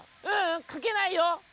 「ううんかけないよ」。